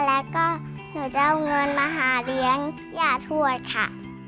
แล้วก็หนูจะเอาเงินมาหาเลี้ยงย่าทวดค่ะ